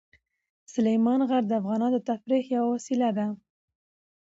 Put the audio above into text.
سلیمان غر د افغانانو د تفریح یوه وسیله ده.